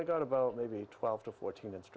atau terpaksa dari data